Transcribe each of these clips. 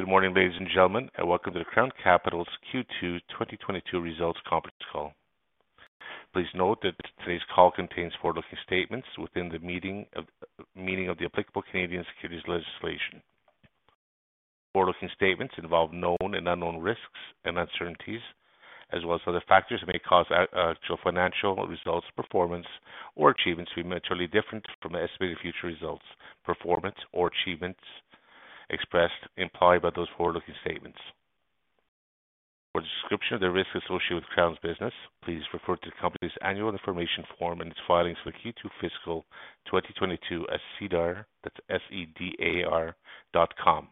Good morning, ladies and gentlemen, and welcome to the Crown Capital's Q2 2022 Results Conference Call. Please note that today's call contains forward-looking statements within the meaning of the applicable Canadian Securities legislation. Forward-looking statements involve known and unknown risks and uncertainties, as well as other factors that may cause actual financial results, performance, or achievements to be materially different from estimated future results, performance, or achievements expressed or implied by those forward-looking statements. For a description of the risks associated with Crown's business, please refer to the company's annual information form and its filings for Q2 fiscal 2022 at SEDAR, that's S-E-D-A-R.com.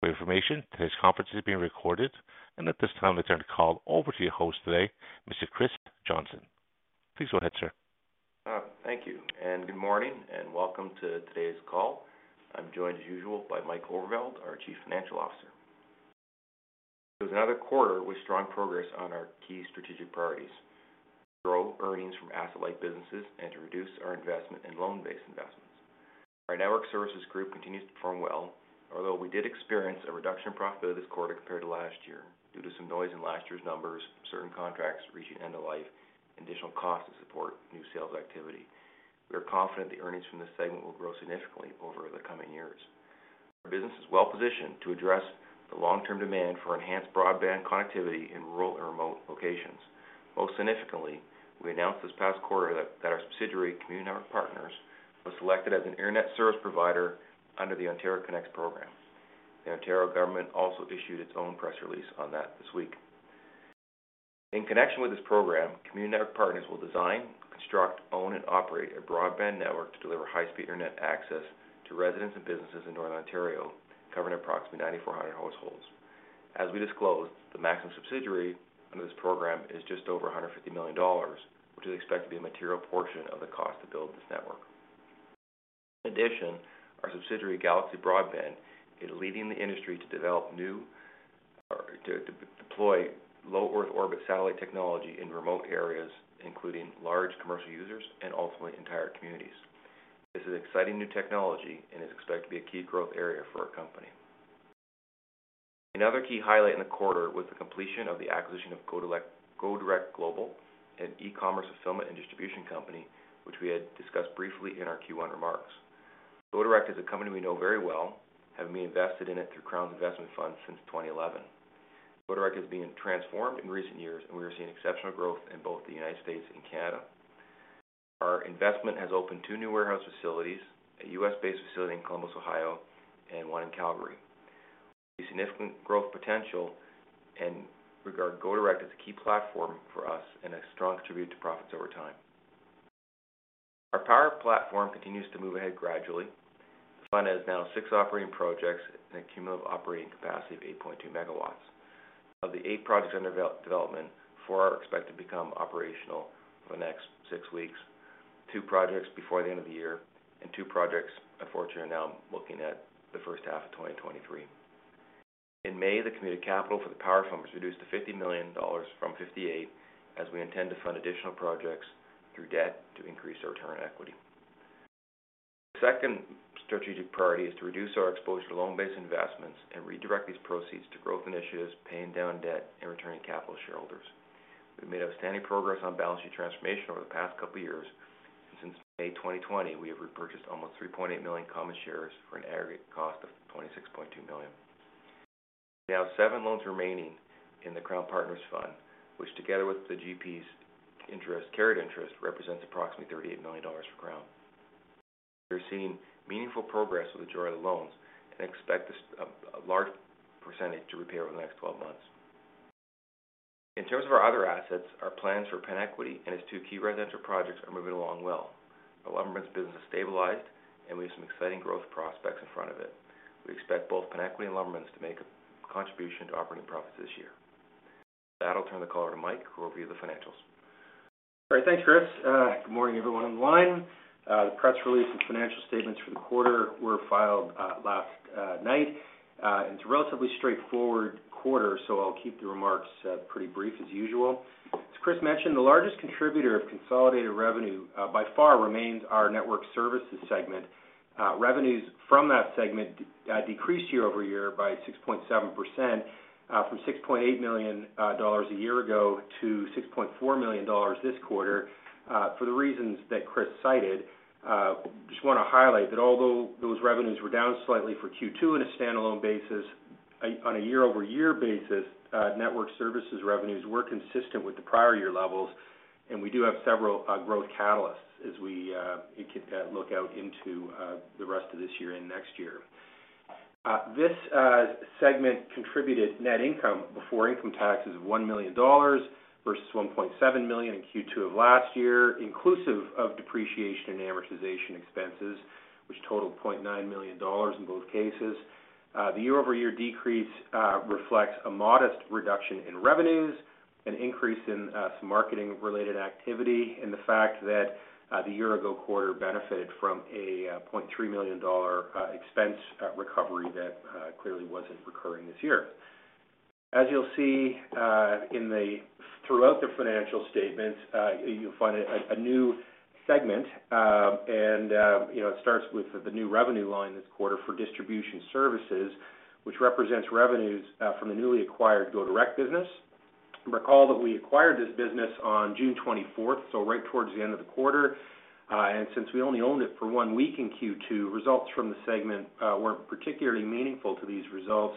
For your information, today's conference is being recorded, and at this time I turn the call over to your host today, Mr. Chris Johnson. Please go ahead, sir. Thank you, and good morning, and welcome to today's call. I'm joined, as usual, by Mike Overvelde, our Chief Financial Officer. It was another quarter with strong progress on our key strategic priorities. Grow earnings from asset-light businesses and to reduce our investment in loan-based investments. Our network services group continues to perform well, although we did experience a reduction in profitability this quarter compared to last year due to some noise in last year's numbers, certain contracts reaching end of life, and additional costs to support new sales activity. We are confident the earnings from this segment will grow significantly over the coming years. Our business is well-positioned to address the long-term demand for enhanced broadband connectivity in rural and remote locations. Most significantly, we announced this past quarter that our subsidiary, Community Network Partners, was selected as an internet service provider under the Ontario Connects program. The Ontario government also issued its own press release on that this week. In connection with this program, Community Network Partners will design, construct, own, and operate a broadband network to deliver high-speed internet access to residents and businesses in Northern Ontario, covering approximately 9,400 households. As we disclosed, the maximum subsidy under this program is just over 150 million dollars, which is expected to be a material portion of the cost to build this network. In addition, our subsidiary, Galaxy Broadband, is leading the industry to deploy low Earth orbit satellite technology in remote areas, including large commercial users and ultimately entire communities. This is an exciting new technology and is expected to be a key growth area for our company. Another key highlight in the quarter was the completion of the acquisition of GoDirect Global, an e-commerce fulfillment and distribution company, which we had discussed briefly in our Q1 remarks. Go Direct is a company we know very well, having been invested in it through Crown's investment fund since 2011. Go Direct has been transformed in recent years, and we are seeing exceptional growth in both the United States and Canada. Our investment has opened two new warehouse facilities, a U.S.-based facility in Columbus, Ohio, and one in Calgary. The significant growth potential and we regard Go Direct as a key platform for us and a strong contributor to profits over time. Our power platform continues to move ahead gradually. The fund has now six operating projects and a cumulative operating capacity of 8.2 MW. Of the eight projects under development, four are expected to become operational over the next 6 weeks, 2 projects before the end of the year, and two projects, unfortunately, are now looking at the first half of 2023. In May, the committed capital for the power fund was reduced to 50 million dollars from 58 million, as we intend to fund additional projects through debt to increase our return on equity. The second strategic priority is to reduce our exposure to loan-based investments and redirect these proceeds to growth initiatives, paying down debt, and returning capital to shareholders. We've made outstanding progress on balance sheet transformation over the past couple of years, and since May 2020, we have repurchased almost 3.8 million common shares for an aggregate cost of 26.2 million. We have seven loans remaining in the Crown Partners Fund, which together with the GP's interest, carried interest, represents approximately 38 million dollars for Crown. We're seeing meaningful progress with the majority of the loans and expect this, a large percentage to repay over the next 12 months. In terms of our other assets, our plans for PenEquity and its two key residential projects are moving along well. Our lumber business is stabilized, and we have some exciting growth prospects in front of it. We expect both PenEquity and lumber to make a contribution to operating profits this year. With that, I'll turn the call over to Mike, who will review the financials. All right. Thanks, Chris. Good morning, everyone on the line. The press release and financial statements for the quarter were filed last night. It's a relatively straightforward quarter, so I'll keep the remarks pretty brief as usual. As Chris mentioned, the largest contributor of consolidated revenue by far remains our network services segment. Revenues from that segment decreased year-over-year by 6.7%, from 6.8 million dollars a year ago to 6.4 million dollars this quarter, for the reasons that Chris cited. Just wanna highlight that although those revenues were down slightly for Q2 on a stand-alone basis, on a year-over-year basis, network services revenues were consistent with the prior year levels, and we do have several growth catalysts as you could look out into the rest of this year and next year. This segment contributed net income before income taxes of one million dollars versus 1.7 million in Q2 of last year, inclusive of depreciation and amortization expenses, which totaled 0.9 million dollars in both cases. The year-over-year decrease reflects a modest reduction in revenues, an increase in some marketing-related activity, and the fact that the year-ago quarter benefited from a 0.3 million dollar expense recovery that clearly wasn't recurring this year. As you'll see throughout the financial statement, you'll find a new segment. You know, it starts with the new revenue line this quarter for distribution services, which represents revenues from the newly acquired Go Direct business. Recall that we acquired this business on June 24th, so right towards the end of the quarter. Since we only owned it for one week in Q2, results from the segment weren't particularly meaningful to these results.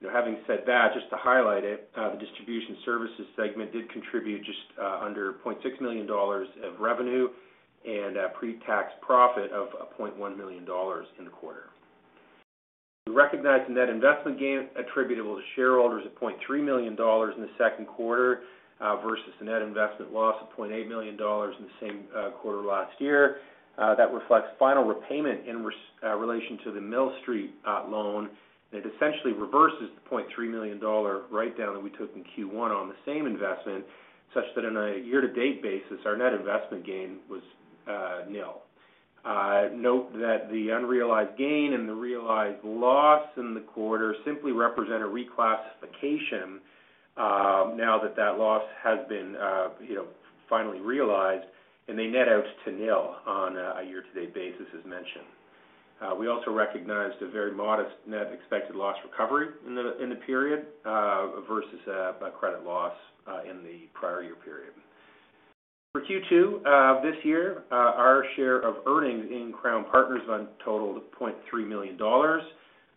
You know, having said that, just to highlight it, the distribution services segment did contribute just under 0.6 million dollars of revenue and a pre-tax profit of 0.1 million dollars in the quarter. We recognized a net investment gain attributable to shareholders of 0.3 million dollars in the second quarter versus a net investment loss of 0.8 million dollars in the same quarter last year. That reflects final repayment in relation to the Mill Street loan, and it essentially reverses the 0.3 million dollar write-down that we took in Q1 on the same investment, such that on a year-to-date basis, our net investment gain was nil. Note that the unrealized gain and the realized loss in the quarter simply represent a reclassification, now that that loss has been, you know, finally realized, and they net out to nil on a year-to-date basis, as mentioned. We also recognized a very modest net expected loss recovery in the period, versus a credit loss in the prior year period. For Q2 this year, our share of earnings in Crown Partners Fund totaled 0.3 million dollars.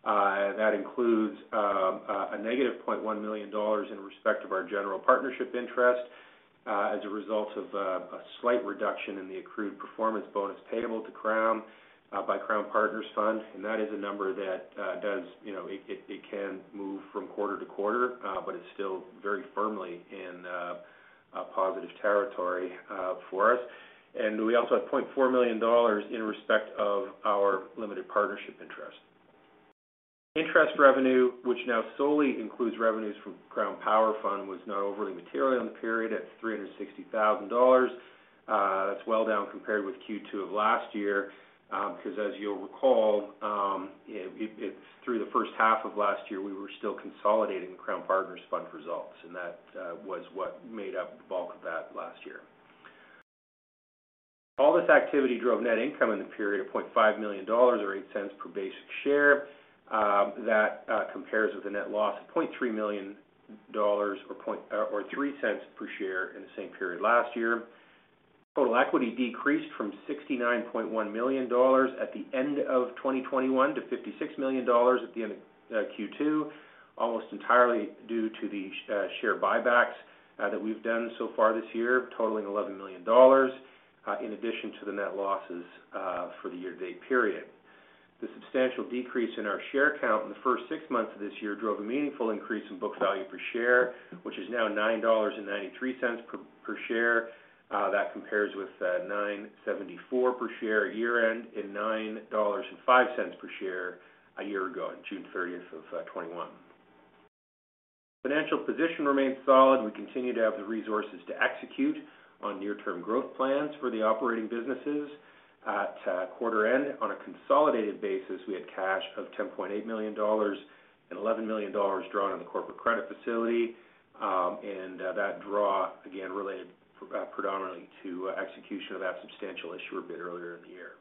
That includes a negative 0.1 million dollars in respect of our general partnership interest, as a result of a slight reduction in the accrued performance bonus payable to Crown, by Crown Partners Fund. That is a number that does, you know, it can move from quarter- to- quarter, but it's still very firmly in a positive territory for us. We also have 0.4 million dollars in respect of our limited partnership interest. Interest revenue, which now solely includes revenues from Crown Power Fund, was not overly material in the period at 360 thousand dollars. That's well down compared with Q2 of last year, because as you'll recall, through the first half of last year, we were still consolidating Crown Partners Fund results, and that was what made up the bulk of that last year. All this activity drove net income in the period of 0.5 million dollars or 0.08 per basic share. That compares with the net loss of 0.3 million dollars or 0.03 per share in the same period last year. Total equity decreased from 69.1 million dollars at the end of 2021 to 56 million dollars at the end of Q2, almost entirely due to the share buybacks that we've done so far this year, totaling 11 million dollars in addition to the net losses for the year-to-date period. The substantial decrease in our share count in the first six months of this year drove a meaningful increase in book value per share, which is now 9.93 dollars per share. That compares with 9.74 per share year-end and 9.05 per share a year ago on June 30, 2021. Financial position remains solid. We continue to have the resources to execute on near-term growth plans for the operating businesses. At quarter end, on a consolidated basis, we had cash of 10.8 million dollars and 11 million dollars drawn on the corporate credit facility. That draw again related predominantly to execution of that substantial issuer bid earlier in the year.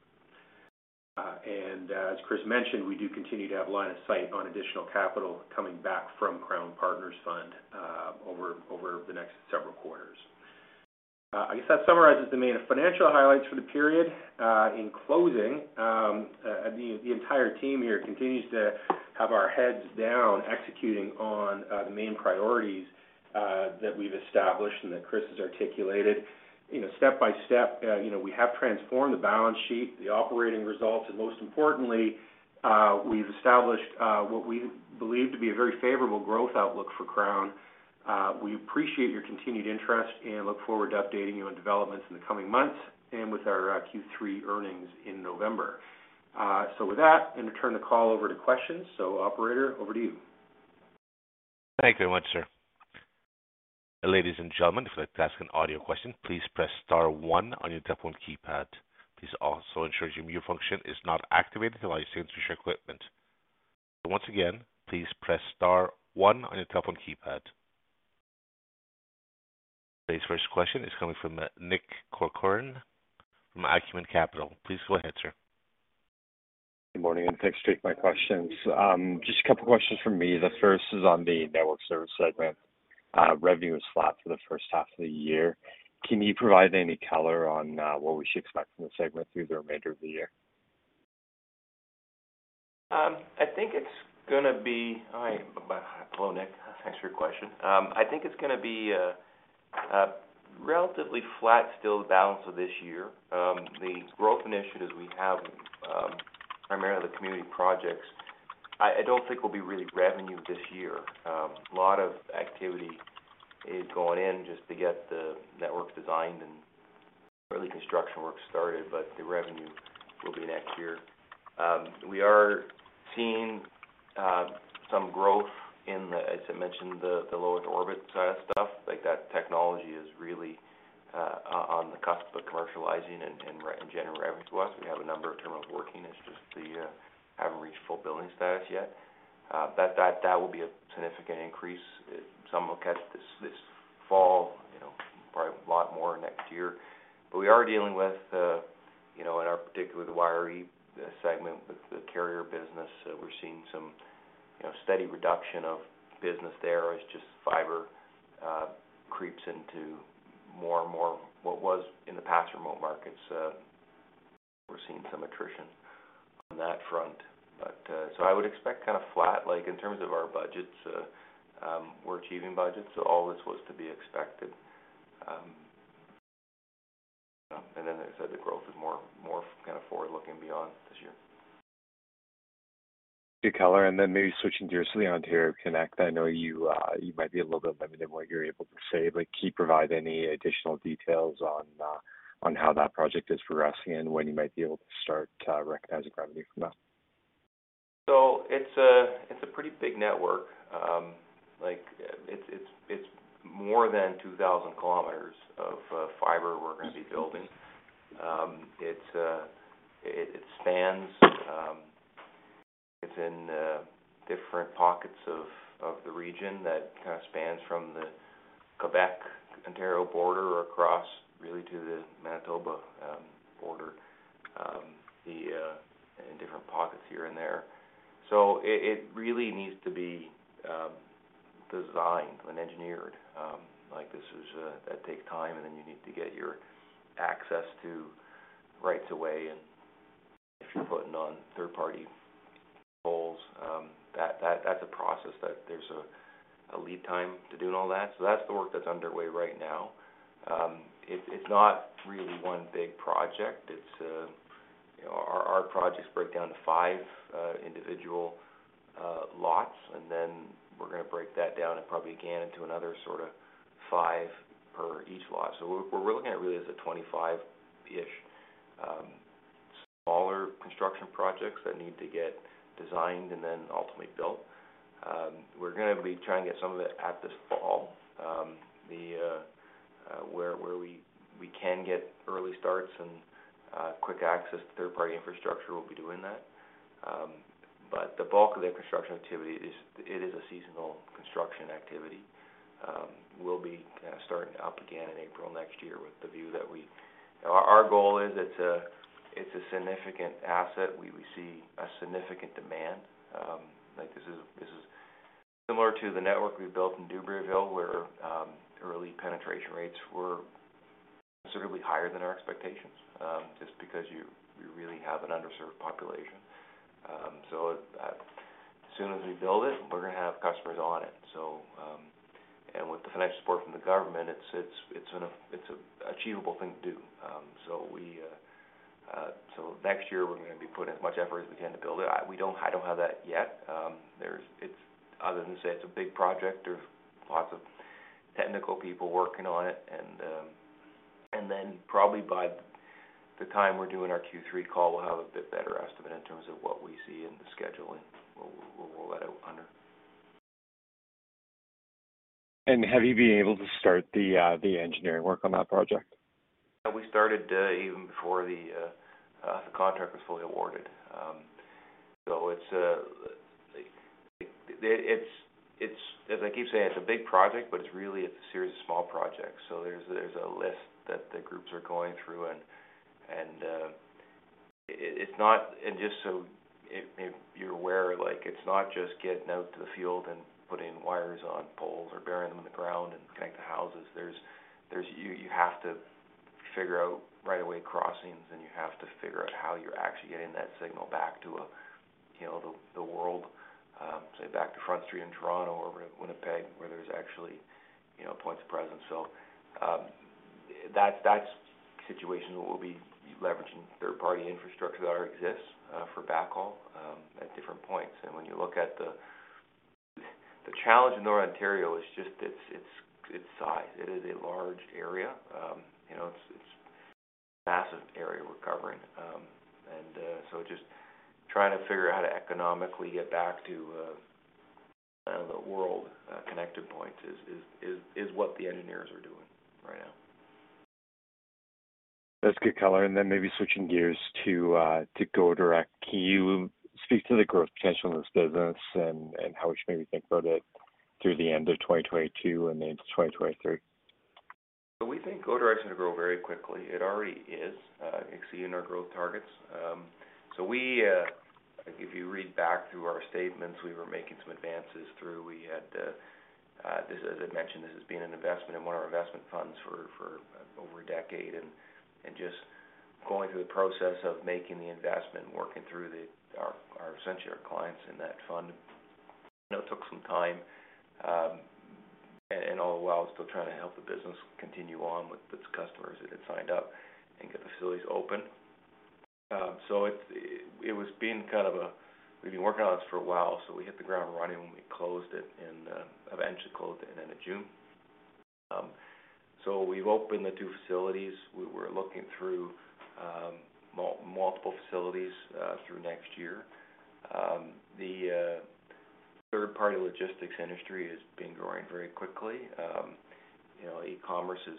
As Chris mentioned, we do continue to have line of sight on additional capital coming back from Crown Partners Fund over the next several quarters. I guess that summarizes the main financial highlights for the period. In closing, the entire team here continues to have our heads down executing on the main priorities that we've established and that Chris has articulated. You know, step-by-step, you know, we have transformed the balance sheet, the operating results, and most importantly, we've established what we believe to be a very favorable growth outlook for Crown. We appreciate your continued interest and look forward to updating you on developments in the coming months and with our Q3 earnings in November. With that, I'm gonna turn the call over to questions. Operator, over to you. Thank you very much, sir. Ladies and gentlemen, if you'd like to ask an audio question, please press star one on your telephone keypad. Please also ensure your mute function is not activated to avoid any potential equipment. Once again, please press star one on your telephone keypad. Today's first question is coming from Nick Corcoran from Acumen Capital. Please go ahead, sir. Good morning, and thanks for taking my questions. Just a couple questions from me. The first is on the network service segment. Revenue is flat for the first half of the year. Can you provide any color on what we should expect from the segment through the remainder of the year? Hello, Nick. Thanks for your question. I think it's gonna be a relatively flat still the balance of this year. The growth initiatives we have, primarily the community projects, I don't think will be really revenue this year. A lot of activity is going in just to get the network designed and early construction work started, but the revenue will be next year. We are seeing some growth in the, as I mentioned, the low Earth orbit side of stuff. Like, that technology is really On the cusp of commercializing and generating revenue to us. We have a number of terminals working, it's just they haven't reached full billing status yet. That will be a significant increase. Some will catch this fall, you know, probably a lot more next year. We are dealing with, you know, in our particular, the wireless segment with the carrier business, we're seeing some steady reduction of business there as just fiber creeps into more and more what was in the past remote markets. We're seeing some attrition on that front. I would expect kind of flat, like, in terms of our budgets. We're achieving budgets, so all this was to be expected. As I said, the growth is more kind of forward-looking beyond this year. Good color. Maybe switching gears to the Ontario Connects. I know you might be a little bit limited in what you're able to say, but can you provide any additional details on how that project is progressing and when you might be able to start recognizing revenue from that? It's a pretty big network. Like it's more than 2,000 kilometers of fiber we're gonna be building. It spans, it's in different pockets of the region that kinda spans from the Quebec-Ontario border across really to the Manitoba border, in different pockets here and there. It really needs to be designed and engineered. Like this is, that takes time, and then you need to get your access to rights of way and if you're putting on third-party poles, that's a process that there's a lead time to doing all that. That's the work that's underway right now. It's not really one big project. It's, you know, our projects break down to five individual lots. We're gonna break that down and probably again into another sorta five per each lot. What we're looking at really is a 25-ish smaller construction projects that need to get designed and then ultimately built. We're gonna be trying to get some of it this fall. Where we can get early starts and quick access to third-party infrastructure, we'll be doing that. The bulk of the construction activity is a seasonal construction activity. We'll be kinda starting up again in April next year with the view that our goal is it's a significant asset. We see a significant demand. Like this is similar to the network we built in Dubreuilville, where early penetration rates were considerably higher than our expectations, just because you really have an underserved population. As soon as we build it, we're gonna have customers on it. With the financial support from the government, it's an achievable thing to do. Next year we're gonna be putting as much effort as we can to build it. I don't have that yet. Other than to say it's a big project. There's lots of technical people working on it and then probably by the time we're doing our Q3 call, we'll have a bit better estimate in terms of what we see in the scheduling. We'll roll that out under. Have you been able to start the engineering work on that project? We started even before the contract was fully awarded. It's as I keep saying, it's a big project, but it's really a series of small projects. There's a list that the groups are going through. Just so if you're aware, like it's not just getting out to the field and putting wires on poles or burying them in the ground and connecting to houses. You have to figure out right away crossings, and you have to figure out how you're actually getting that signal back to, you know, the world, say back to Front Street in Toronto or Winnipeg, where there's actually, you know, Points of Presence. That situation will be leveraging third-party infrastructure that already exists for backhaul at different points. When you look at the challenge in Northern Ontario, it is just its size. It is a large area. You know, it's a massive area we're covering. Just trying to figure out how to economically get back to the world connected points is what the engineers are doing right now. That's good color. Then maybe switching gears to GoDirect. Can you speak to the growth potential in this business and how we should maybe think about it through the end of 2022 and into 2023? We think Go Direct is gonna grow very quickly. It already is exceeding our growth targets. If you read back through our statements, we were making some advances through. We had, as I mentioned, this has been an investment in one of our investment funds for over a decade. Just going through the process of making the investment, working through our essentially our clients in that fund, you know, took some time. All the while still trying to help the business continue on with its customers that had signed up and get facilities open. It was being kind of a, we've been working on this for a while, so we hit the ground running when we eventually closed it at the end of June. We've opened the two facilities. We're looking through multiple facilities through next year. The third-party logistics industry has been growing very quickly. You know, e-commerce has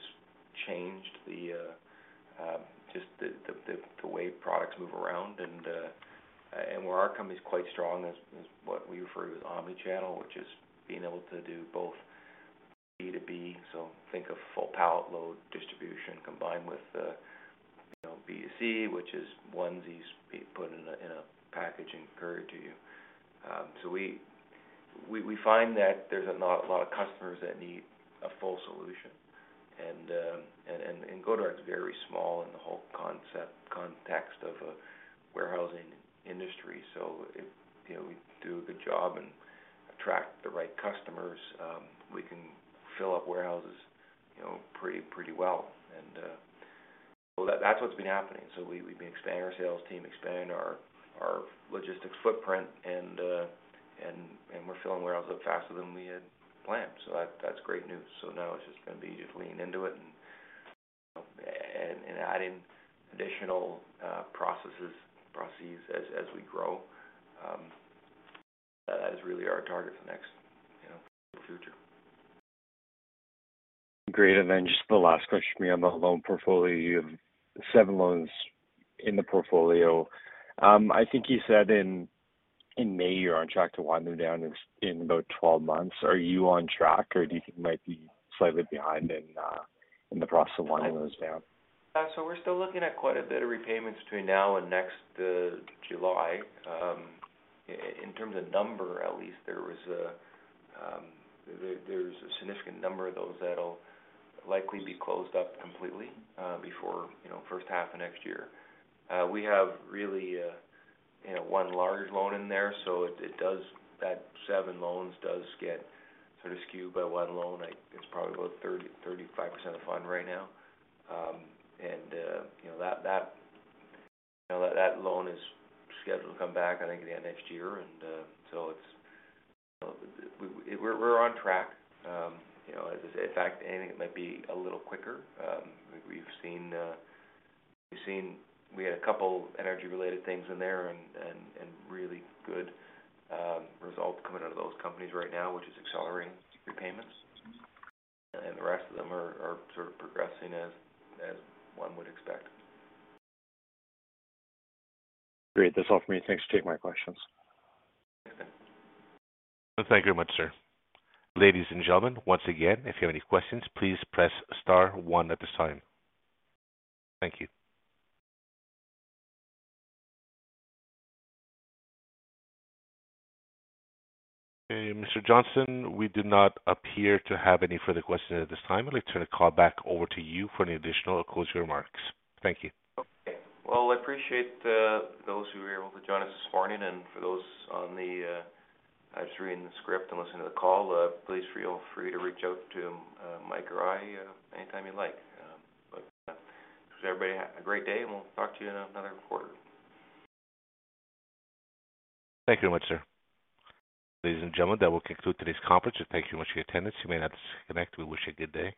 changed just the way products move around and where our company is quite strong is what we refer to as omni-channel, which is being able to do both B2B, so think of full pallet load distribution combined with, you know, B2C, which is onesies being put in a package and couriered to you. We find that there's a lot of customers that need a full solution. Go Direct's very small in the whole context of a warehousing industry. If you know, we do a good job and attract the right customers, we can fill up warehouses, you know, pretty well. Well, that's what's been happening. We've been expanding our sales team, expanding our logistics footprint and we're filling warehouses up faster than we had planned. That's great news. Now it's just gonna be just leaning into it and adding additional processes as we grow. That is really our target for the next, you know, future. Great. Just the last question for me on the loan portfolio. You have seven loans in the portfolio. I think you said in May, you're on track to wind them down in about 12 months. Are you on track, or do you think you might be slightly behind in the process of winding those down? We're still looking at quite a bit of repayments between now and next July. In terms of number, at least there's a significant number of those that'll likely be closed up completely before you know first half of next year. We have really you know 1 large loan in there, so it does that 7seven loans does get sort of skewed by one loan. It's probably about 35% of fund right now. You know that loan is scheduled to come back, I think, at the end of next year. So it's you know we're on track. You know, as I say, in fact, I think it might be a little quicker. We've seen. We had a couple energy-related things in there and really good results coming out of those companies right now, which is accelerating repayments. The rest of them are sort of progressing as one would expect. Great. That's all for me. Thanks for taking my questions. Thank you very much, sir. Ladies and gentlemen, once again, if you have any questions, please press star one at this time. Thank you. Okay, Mr. Johnson, we do not appear to have any further questions at this time. I'd like to turn the call back over to you for any additional closing remarks. Thank you. Okay. Well, I appreciate those who were able to join us this morning. For those on the line just reading the script and listening to the call, please feel free to reach out to Mike or I anytime you like. Wish everybody a great day, and we'll talk to you in another quarter. Thank you very much, sir. Ladies and gentlemen, that will conclude today's conference. Thank you much for your attendance. You may now disconnect. We wish you a good day.